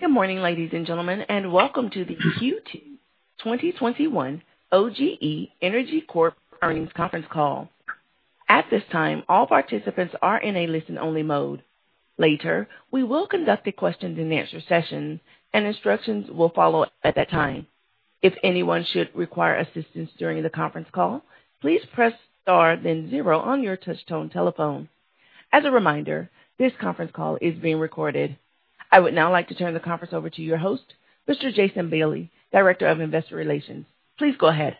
Good morning, ladies and gentlemen, and welcome to the Q2 2021 OGE Energy Corp earnings conference call. At this time, all participants are in a listen-only mode. Later, we will conduct a question and answer session, and instructions will follow at that time. If anyone should require assistance during the conference call, please press star then zero on your touchtone telephone. As a reminder, this conference call is being recorded. I would now like to turn the conference over to your host, Mr. Jason Bailey, Director of Investor Relations. Please go ahead.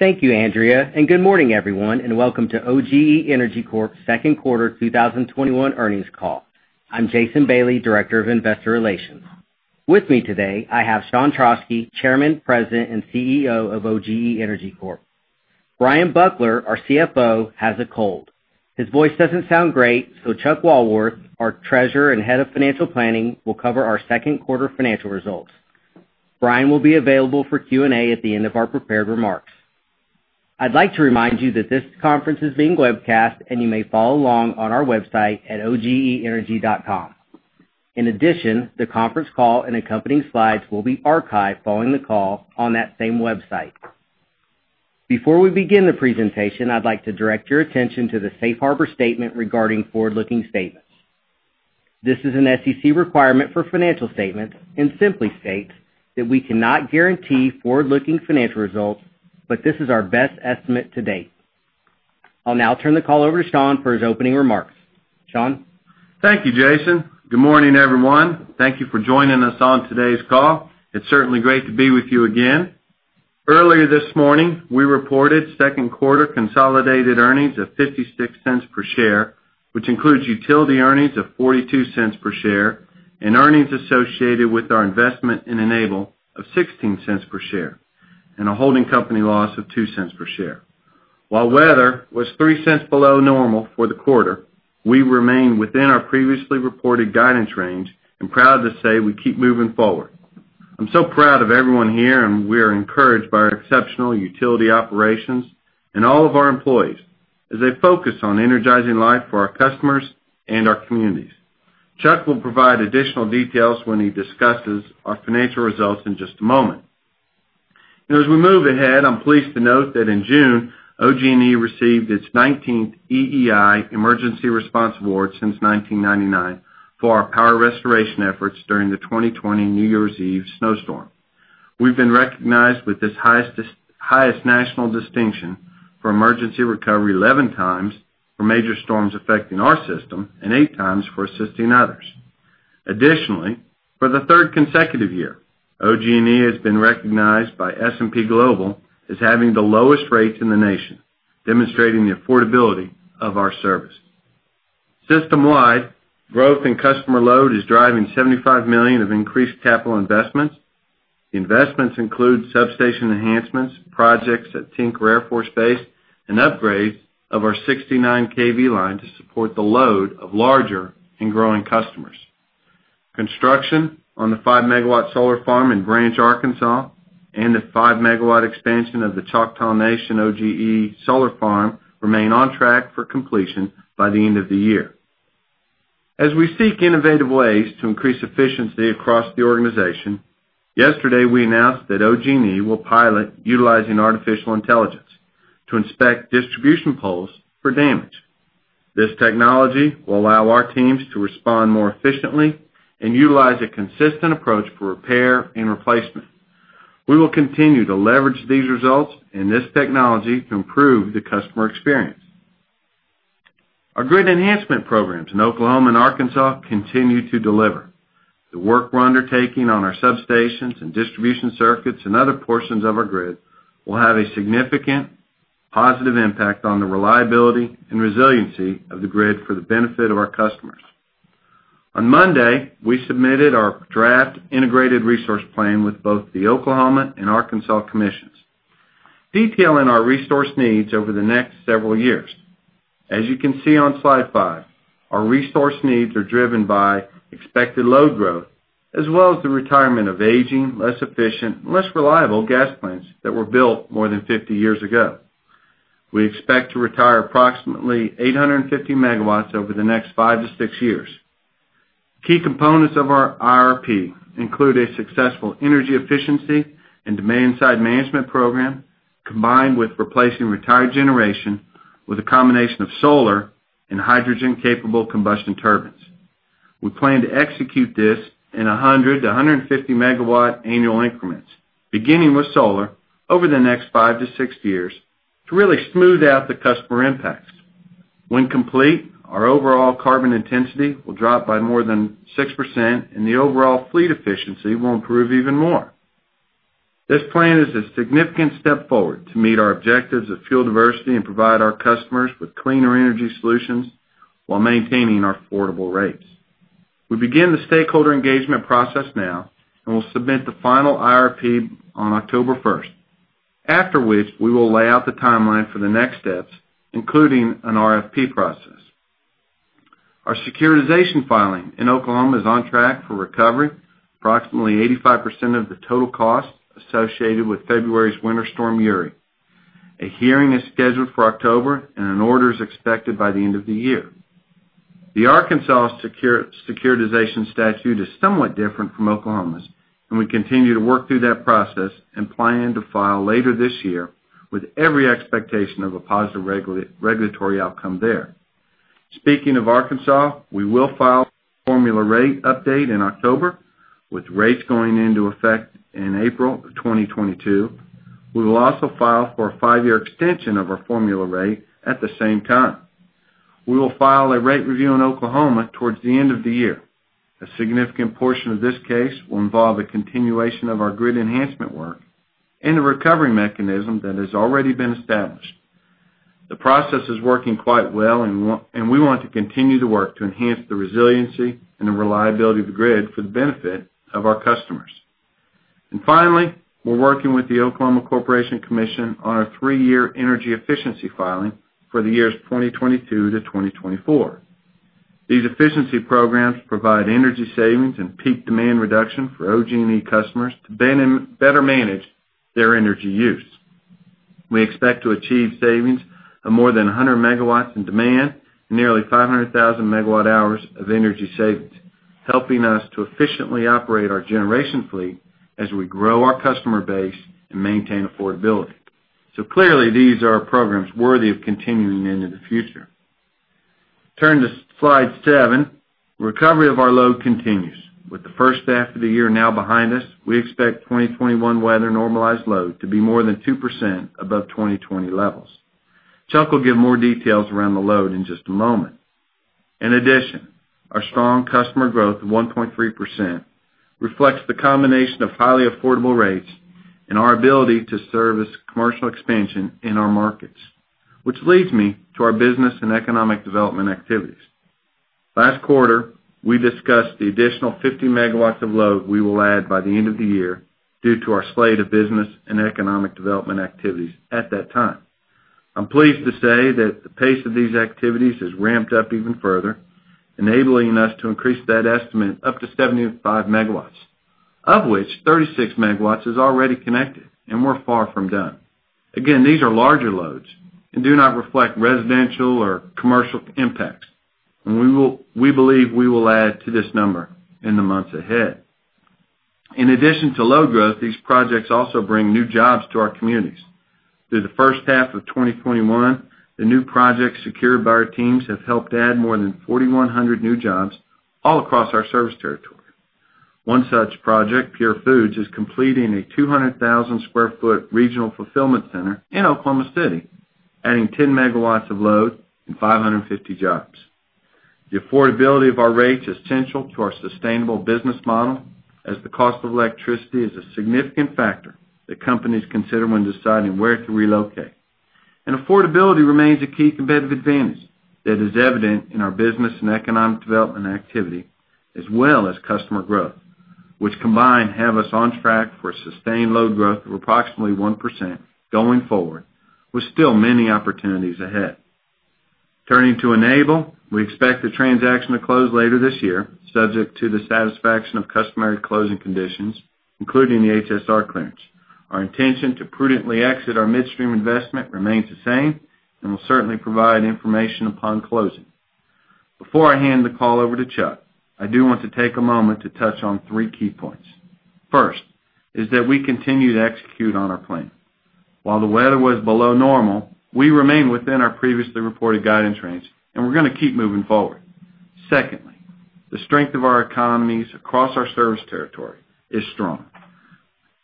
Thank you, Andrea, and good morning, everyone, and welcome to OGE Energy Corp's second quarter 2021 earnings call. I'm Jason Bailey, Director of Investor Relations. With me today, I have Sean Trauschke, Chairman, President, and CEO of OGE Energy Corp. Bryan Buckler, our CFO, has a cold. His voice doesn't sound great, so Charles Walworth, our Treasurer and Head of Financial Planning, will cover our second quarter financial results. Bryan will be available for Q&A at the end of our prepared remarks. I'd like to remind you that this conference is being webcast, and you may follow along on our website at ogeenergy.com. In addition, the conference call and accompanying slides will be archived following the call on that same website. Before we begin the presentation, I'd like to direct your attention to the safe harbor statement regarding forward-looking statements. This is an SEC requirement for financial statements and simply states that we cannot guarantee forward-looking financial results, but this is our best estimate to date. I'll now turn the call over to Sean for his opening remarks. Sean? Thank you, Jason. Good morning, everyone. Thank you for joining us on today's call. It's certainly great to be with you again. Earlier this morning, we reported second quarter consolidated earnings of $0.56 per share, which includes utility earnings of $0.42 per share and earnings associated with our investment in Enable of $0.16 per share, and a holding company loss of $0.02 per share. While weather was $0.03 below normal for the quarter, we remain within our previously reported guidance range and proud to say we keep moving forward. I'm so proud of everyone here, and we are encouraged by our exceptional utility operations and all of our employees as they focus on energizing life for our customers and our communities. Chuck will provide additional details when he discusses our financial results in just a moment. As we move ahead, I'm pleased to note that in June, OGE received its 19th EEI Emergency Response Award since 1999 for our power restoration efforts during the 2020 New Year's Eve snowstorm. We've been recognized with this highest national distinction for emergency recovery 11 times for major storms affecting our system and eight times for assisting others. Additionally, for the third consecutive year, OGE has been recognized by S&P Global as having the lowest rates in the nation, demonstrating the affordability of our service. System-wide, growth in customer load is driving $75 million of increased capital investments. The investments include substation enhancements, projects at Tinker Air Force Base, and upgrades of our 69 kV line to support the load of larger and growing customers. Construction on the 5 MW solar farm in Branch, Arkansas, and the 5 MW expansion of the Choctaw Nation OGE Solar Farm remain on track for completion by the end of the year. As we seek innovative ways to increase efficiency across the organization, yesterday, we announced that OGE will pilot utilizing artificial intelligence to inspect distribution poles for damage. This technology will allow our teams to respond more efficiently and utilize a consistent approach for repair and replacement. We will continue to leverage these results and this technology to improve the customer experience. Our grid enhancement programs in Oklahoma and Arkansas continue to deliver. The work we're undertaking on our substations and distribution circuits and other portions of our grid will have a significant positive impact on the reliability and resiliency of the grid for the benefit of our customers. On Monday, we submitted our draft integrated resource plan with both the Oklahoma Corporation Commission and Arkansas Commissions, detailing our resource needs over the next several years. As you can see on slide five, our resource needs are driven by expected load growth as well as the retirement of aging, less efficient, less reliable gas plants that were built more than 50 years ago. We expect to retire approximately 850 MW over the next five to six years. Key components of our IRP include a successful energy efficiency and demand-side management program, combined with replacing retired generation with a combination of solar and hydrogen-capable combustion turbines. We plan to execute this in 100 MW-150 MW annual increments, beginning with solar over the next five to six years to really smooth out the customer impacts. When complete, our overall carbon intensity will drop by more than 6%, and the overall fleet efficiency will improve even more. This plan is a significant step forward to meet our objectives of fuel diversity and provide our customers with cleaner energy solutions while maintaining our affordable rates. We begin the stakeholder engagement process now and will submit the final IRP on October 1st. After which, we will lay out the timeline for the next steps, including an RFP process. Our securitization filing in Oklahoma is on track for recovery. Approximately 85% of the total cost associated with February's Winter Storm Uri. A hearing is scheduled for October, and an order is expected by the end of the year. The Arkansas securitization statute is somewhat different from Oklahoma's. We continue to work through that process and plan to file later this year with every expectation of a positive regulatory outcome there. Speaking of Arkansas, we will file a formula rate update in October, with rates going into effect in April of 2022. We will also file for a five-year extension of our formula rate at the same time. We will file a rate review in Oklahoma towards the end of the year. A significant portion of this case will involve a continuation of our grid enhancement work and a recovery mechanism that has already been established. The process is working quite well. We want to continue to work to enhance the resiliency and the reliability of the grid for the benefit of our customers. Finally, we're working with the Oklahoma Corporation Commission on a three-year energy efficiency filing for the years 2022-2024. These efficiency programs provide energy savings and peak demand reduction for OG&E customers to better manage their energy use. We expect to achieve savings of more than 100 MW in demand and nearly 500,000 MWh of energy savings, helping us to efficiently operate our generation fleet as we grow our customer base and maintain affordability. Clearly, these are programs worthy of continuing into the future. Turn to slide seven. Recovery of our load continues. With the first half of the year now behind us, we expect 2021 weather-normalized load to be more than 2% above 2020 levels. Chuck will give more details around the load in just a moment. In addition, our strong customer growth of 1.3% reflects the combination of highly affordable rates and our ability to service commercial expansion in our markets, which leads me to our business and economic development activities. Last quarter, we discussed the additional 50 MW of load we will add by the end of the year due to our slate of business and economic development activities at that time. I'm pleased to say that the pace of these activities has ramped up even further, enabling us to increase that estimate up to 75 MW, of which 36 MW is already connected, and we're far from done. Again, these are larger loads and do not reflect residential or commercial impacts, and we believe we will add to this number in the months ahead. In addition to load growth, these projects also bring new jobs to our communities. Through the first half of 2021, the new projects secured by our teams have helped add more than 4,100 new jobs all across our service territory. One such project, PurFoods, is completing a 200,000 sq ft regional fulfillment center in Oklahoma City, adding 10 MW of load and 550 jobs. The affordability of our rates is central to our sustainable business model, as the cost of electricity is a significant factor that companies consider when deciding where to relocate. Affordability remains a key competitive advantage that is evident in our business and economic development activity as well as customer growth, which combined have us on track for sustained load growth of approximately 1% going forward, with still many opportunities ahead. Turning to Enable, we expect the transaction to close later this year, subject to the satisfaction of customary closing conditions, including the HSR clearance. Our intention to prudently exit our midstream investment remains the same and will certainly provide information upon closing. Before I hand the call over to Chuck, I do want to take a moment to touch on three key points. First is that we continue to execute on our plan. While the weather was below normal, we remain within our previously reported guidance range, and we're going to keep moving forward. Secondly, the strength of our economies across our service territory is strong.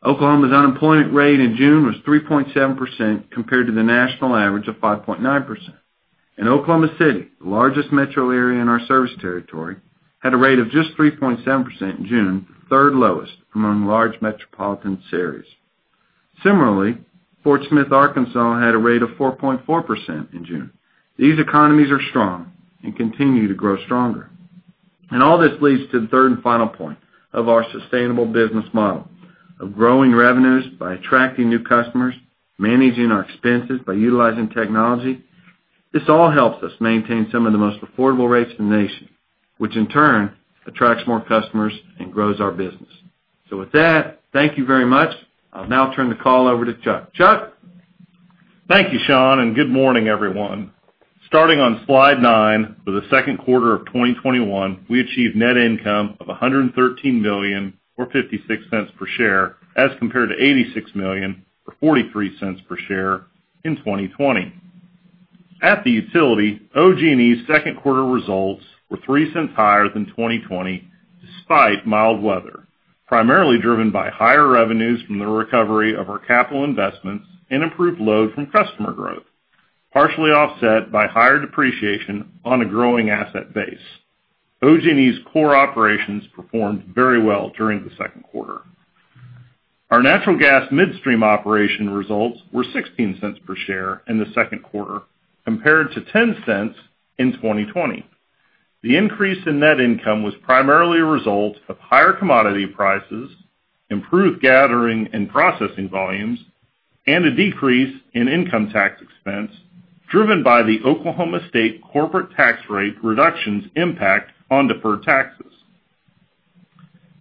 Oklahoma's unemployment rate in June was 3.7%, compared to the national average of 5.9%. In Oklahoma City, the largest metro area in our service territory, had a rate of just 3.7% in June, third lowest among large metropolitan areas. Similarly, Fort Smith, Arkansas, had a rate of 4.4% in June. These economies are strong and continue to grow stronger. All this leads to the third and final point of our sustainable business model of growing revenues by attracting new customers, managing our expenses by utilizing technology. This all helps us maintain some of the most affordable rates in the nation, which in turn attracts more customers and grows our business. With that, thank you very much. I'll now turn the call over to Charles. Charles? Thank you, Sean, good morning, everyone. Starting on slide nine for the second quarter of 2021, we achieved net income of $113 million, or $0.56 per share, as compared to $86 million, or $0.43 per share in 2020. At the utility, OG&E's second quarter results were $0.03 higher than 2020 despite mild weather, primarily driven by higher revenues from the recovery of our capital investments and improved load from customer growth, partially offset by higher depreciation on a growing asset base. OG&E's core operations performed very well during the second quarter. Our natural gas midstream operation results were $0.16 per share in the second quarter, compared to $0.10 in 2020. The increase in net income was primarily a result of higher commodity prices, improved gathering and processing volumes, and a decrease in income tax expense driven by the Oklahoma State corporate tax rate reductions impact on deferred taxes.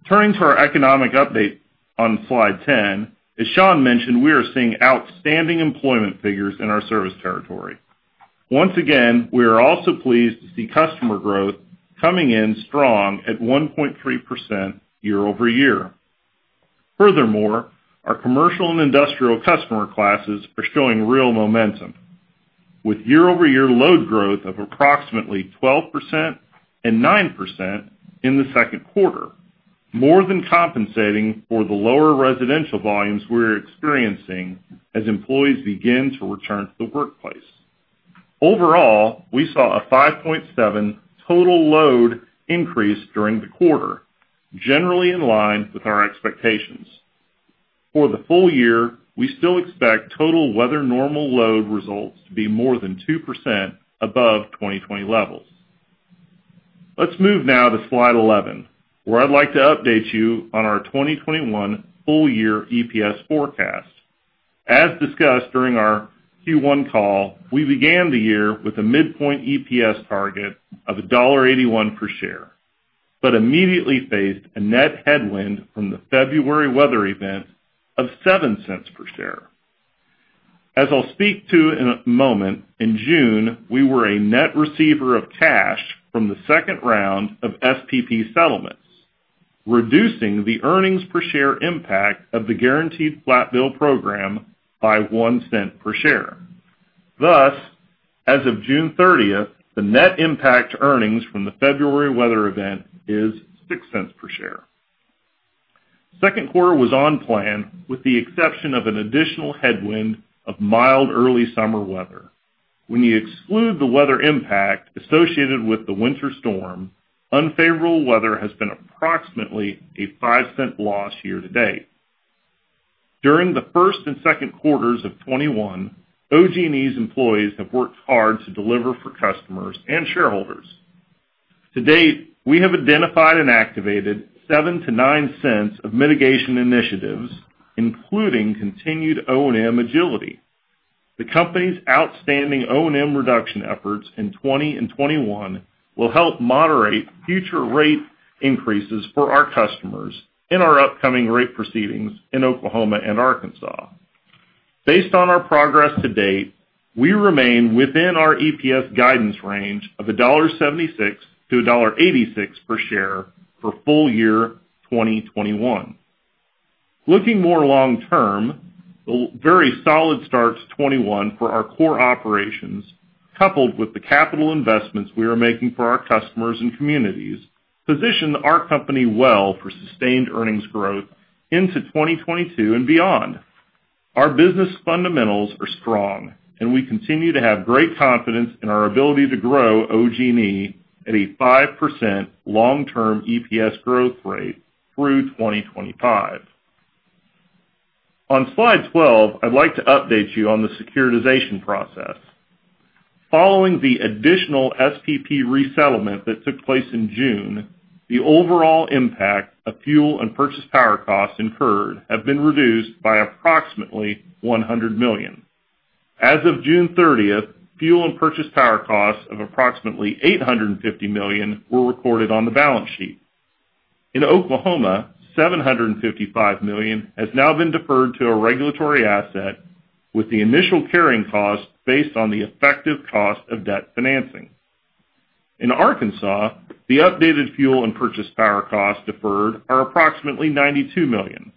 Turning to our economic update on slide 10. As Sean mentioned, we are seeing outstanding employment figures in our service territory. Once again, we are also pleased to see customer growth coming in strong at 1.3% year-over-year. Furthermore, our commercial and industrial customer classes are showing real momentum with year-over-year load growth of approximately 12% and 9% in the second quarter, more than compensating for the lower residential volumes we're experiencing as employees begin to return to the workplace. Overall, we saw a 5.7% total load increase during the quarter, generally in line with our expectations. For the full year, we still expect total weather normal load results to be more than 2% above 2020 levels. Let's move now to slide 11, where I'd like to update you on our 2021 full year EPS forecast. As discussed during our Q1 call, we began the year with a midpoint EPS target of $1.81 per share. Immediately faced a net headwind from the February weather event of $0.07 per share. As I'll speak to in a moment, in June, we were a net receiver of cash from the second round of SPP settlements, reducing the earnings per share impact of the Guaranteed Flat Bill program by $0.01 per share. As of June 30th, the net impact to earnings from the February weather event is $0.06 per share. Second quarter was on plan, with the exception of an additional headwind of mild early summer weather. When you exclude the weather impact associated with the Winter Storm, unfavorable weather has been approximately a $0.05 loss year to date. During the first and second quarters of 2021, OG&E's employees have worked hard to deliver for customers and shareholders. To date, we have identified and activated $0.07-$0.09 of mitigation initiatives, including continued O&M agility. The company's outstanding O&M reduction efforts in 2020 and 2021 will help moderate future rate increases for our customers in our upcoming rate proceedings in Oklahoma and Arkansas. Based on our progress to date, we remain within our EPS guidance range of $1.76-$1.86 per share for full year 2021. Looking more long-term, the very solid start to 2021 for our core operations, coupled with the capital investments we are making for our customers and communities, position our company well for sustained earnings growth into 2022 and beyond. Our business fundamentals are strong and we continue to have great confidence in our ability to grow OG&E at a 5% long-term EPS growth rate through 2025. On slide 12, I'd like to update you on the securitization process. Following the additional SPP resettlement that took place in June, the overall impact of fuel and purchase power costs incurred have been reduced by approximately $100 million. As of June 30th, fuel and purchase power costs of approximately $850 million were recorded on the balance sheet. In Oklahoma, $755 million has now been deferred to a regulatory asset with the initial carrying cost based on the effective cost of debt financing. In Arkansas, the updated fuel and purchase power costs deferred are approximately $92 million.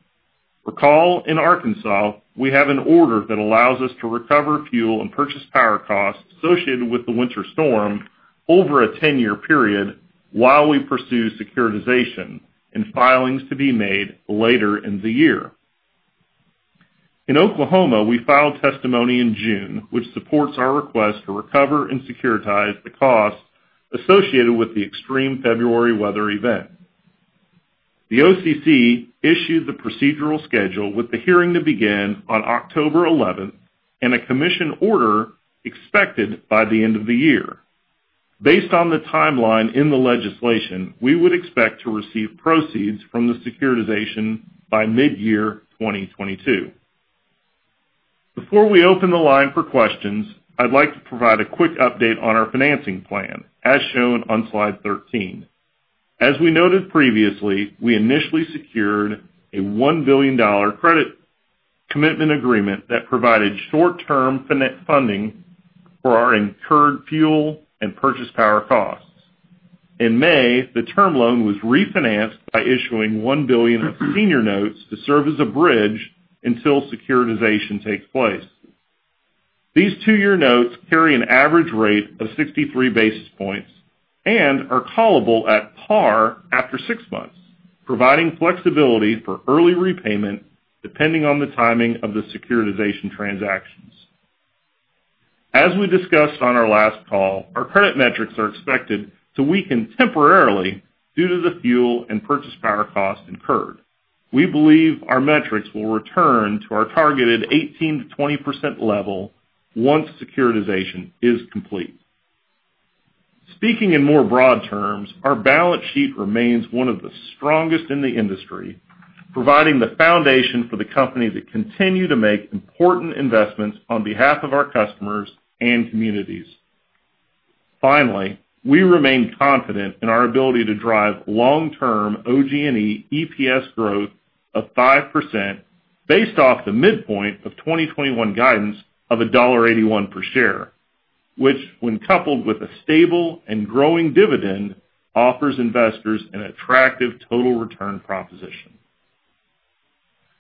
Recall in Arkansas, we have an order that allows us to recover fuel and purchase power costs associated with the Winter Storm Uri over a 10-year period while we pursue securitization and filings to be made later in the year. In Oklahoma, we filed testimony in June, which supports our request to recover and securitize the costs associated with the extreme February weather event. The OCC issued the procedural schedule with the hearing to begin on October 11th, and a commission order expected by the end of the year. Based on the timeline in the legislation, we would expect to receive proceeds from the securitization by mid-year 2022. Before we open the line for questions, I'd like to provide a quick update on our financing plan, as shown on slide 13. As we noted previously, we initially secured $1 billion credit commitment agreement that provided short-term funding for our incurred fuel and purchase power costs. In May, the term loan was refinanced by issuing $1 billion of senior notes to serve as a bridge until securitization takes place. These two-year notes carry an average rate of 63 basis points and are callable at par after six months, providing flexibility for early repayment depending on the timing of the securitization transactions. As we discussed on our last call, our credit metrics are expected to weaken temporarily due to the fuel and purchase power costs incurred. We believe our metrics will return to our targeted 18%-20% level once securitization is complete. Speaking in more broad terms, our balance sheet remains one of the strongest in the industry, providing the foundation for the company to continue to make important investments on behalf of our customers and communities. Finally, we remain confident in our ability to drive long-term OGE Energy EPS growth of 5% based off the midpoint of 2021 guidance of $1.81 per share, which when coupled with a stable and growing dividend, offers investors an attractive total return proposition.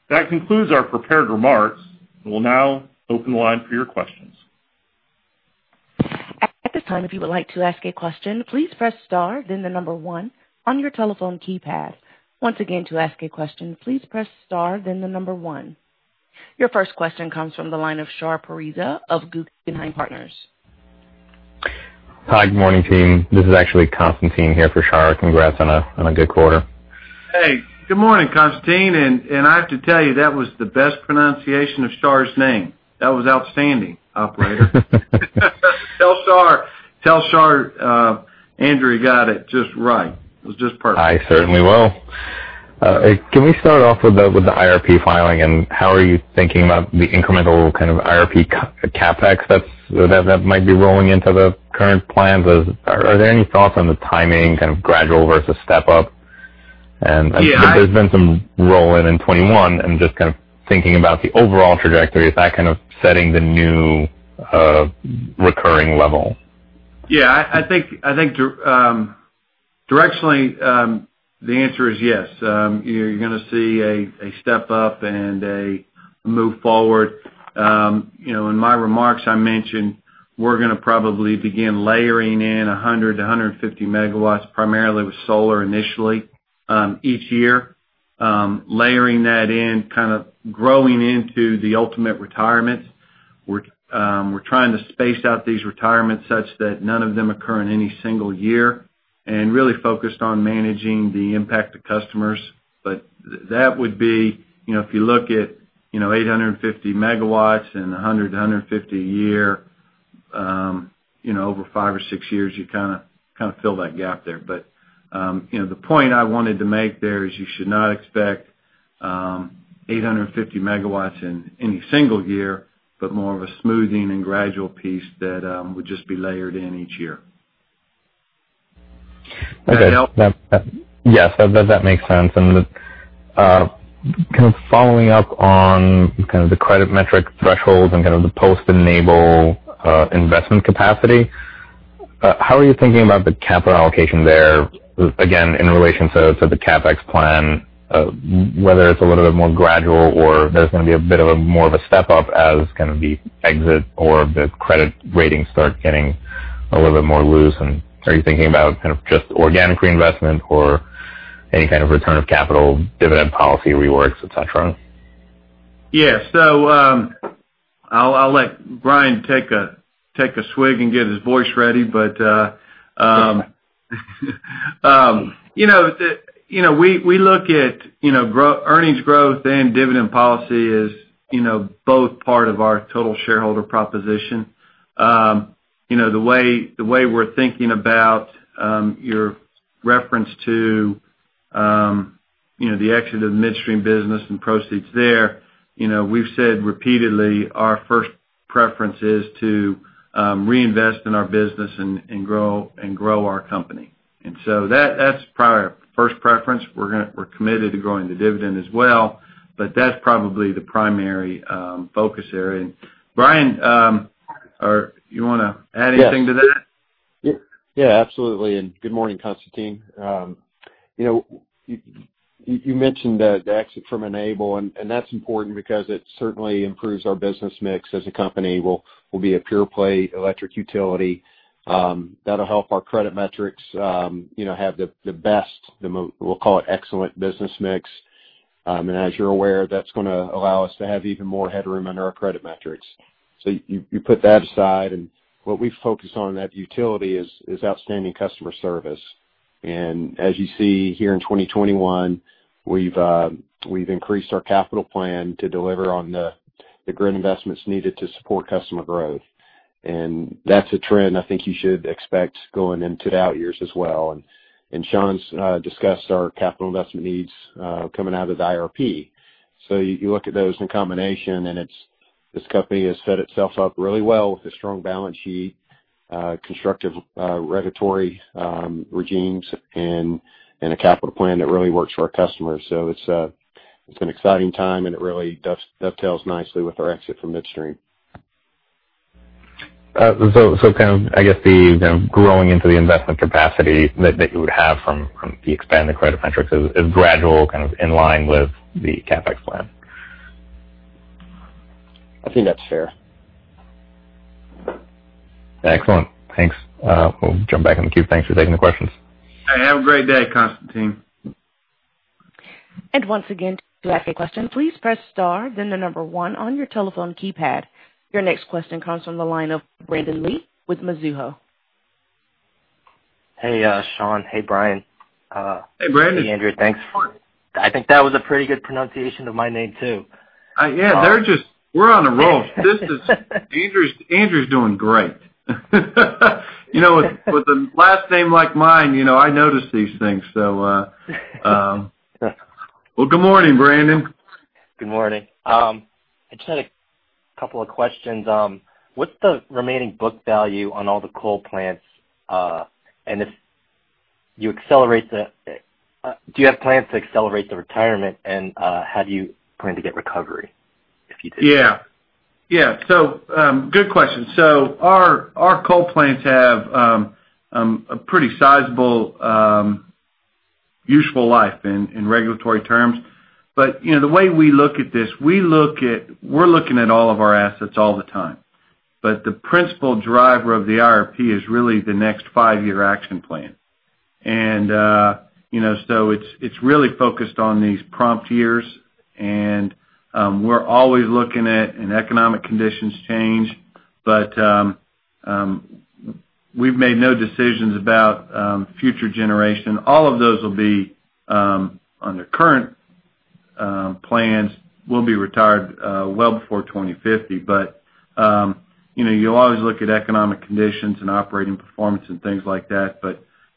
That concludes our prepared remarks. We'll now open the line for your questions. At this time if you'd like to ask a question, please press star then the number one on your telephone keypad. Once again, to ask a question, press star then the number one. Your first question comes from the line of Shar Pourreza of Guggenheim Partners. Hi. Good morning, team. This is actually Constantine here for Shar. Congrats on a good quarter. Hey, good morning, Constantine. I have to tell you, that was the best pronunciation of Shar's name. That was outstanding, operator. Tell Shar Andrew got it just right. It was just perfect. I certainly will. Can we start off with the IRP filing and how are you thinking about the incremental kind of IRP CapEx that might be rolling into the current plans? Are there any thoughts on the timing, kind of gradual versus step up? Yeah. There's been some roll in in 2021 and just kind of thinking about the overall trajectory, is that kind of setting the new recurring level? Yeah, I think directionally, the answer is yes. You're going to see a step up and a move forward. In my remarks, I mentioned we're going to probably begin layering in 100 MW-150 MW, primarily with solar initially, each year. Layering that in, kind of growing into the ultimate retirement. We're trying to space out these retirements such that none of them occur in any single year, and really focused on managing the impact to customers. That would be, if you look at 850 MW and 100 MW-150 MW a year, over five or six years, you kind of fill that gap there. The point I wanted to make there is you should not expect 850 MW in any single year, but more of a smoothing and gradual piece that would just be layered in each year. Does that help? Yes, that makes sense. Kind of following up on kind of the credit metric thresholds and kind of the post-Enable investment capacity, how are you thinking about the capital allocation there, again, in relation to the CapEx plan, whether it's a little bit more gradual or there's going to be a bit of a more of a step up as kind of the exit or the credit ratings start getting a little bit more loose? Are you thinking about kind of just organic reinvestment or any kind of return of capital dividend policy reworks, et cetera? Yeah. I'll let Bryan take a swig and get his voice ready. We look at earnings growth and dividend policy as both part of our total shareholder proposition. The way we're thinking about your reference to the exit of midstream business and proceeds there, we've said repeatedly our first preference is to reinvest in our business and grow our company. That's probably our first preference. We're committed to growing the dividend as well, but that's probably the primary focus area. Bryan, you want to add anything to that? Yeah, absolutely. Good morning, Constantine. You mentioned the exit from Enable, that's important because it certainly improves our business mix as a company. We'll be a pure play electric utility. That'll help our credit metrics have the best, we'll call it excellent business mix. As you're aware, that's going to allow us to have even more headroom under our credit metrics. You put that aside, what we focus on at the utility is outstanding customer service. As you see here in 2021, we've increased our capital plan to deliver on the grid investments needed to support customer growth. That's a trend I think you should expect going into the out years as well. Sean's discussed our capital investment needs coming out of the IRP. You look at those in combination, and this company has set itself up really well with a strong balance sheet, constructive regulatory regimes, and a capital plan that really works for our customers. It's an exciting time, and it really dovetails nicely with our exit from midstream. Kind of, I guess the growing into the investment capacity that you would have from the expanded credit metrics is gradual, kind of in line with the CapEx plan. I think that's fair. Excellent. Thanks. We will jump back in the queue. Thanks for taking the questions. Have a great day, Constantine. Once again, to ask a question, please press star then the number one on you telephone keypad. Your next question comes from the line of Brandon Lee with Mizuho. Hey, Sean. Hey, Bryan. Hey, Brandon. Hey, Andrew. Thanks. I think that was a pretty good pronunciation of my name, too. Yeah, we're on a roll. Andrew's doing great. With a last name like mine, I notice these things. Well, good morning, Brandon. Good morning. I just had a couple of questions. What's the remaining book value on all the coal plants? Do you have plans to accelerate the retirement, and how do you plan to get recovery if you do? Yeah. Good question. Our coal plants have a pretty sizable useful life in regulatory terms. The way we look at this, we're looking at all of our assets all the time. The principal driver of the IRP is really the next five-year action plan. It's really focused on these prompt years, and we're always looking at an economic conditions change. We've made no decisions about future generation. All of those will be, under current plans, will be retired well before 2050. You'll always look at economic conditions and operating performance and things like that.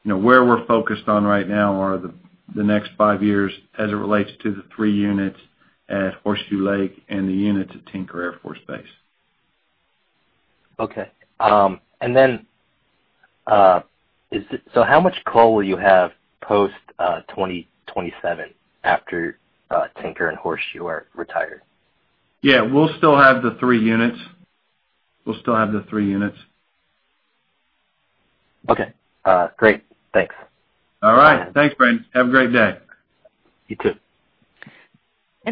Where we're focused on right now are the next five years as it relates to the three units at Horseshoe Lake and the units at Tinker Air Force Base. Okay. How much coal will you have post-2027 after Tinker and Horseshoe are retired? We'll still have the three units. Okay. Great. Thanks. All right. Thanks, Brandon Lee. Have a great day. You too.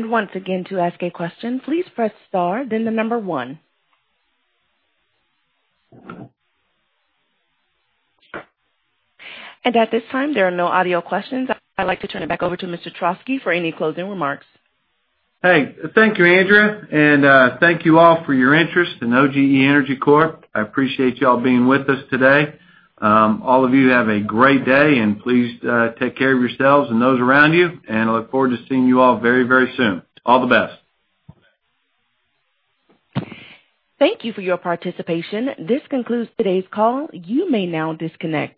Once again, to ask a question, please press star then the number one. At this time, there are no audio questions, I'd like to turn it back over to Mr. Trauschke for any closing remarks. Hey, thank you, Andrea. Thank you all for your interest in OGE Energy Corp. I appreciate you all being with us today. All of you have a great day, and please take care of yourselves and those around you, and I look forward to seeing you all very soon. All the best. Thank you for your participation. This concludes today's call. You may now disconnect.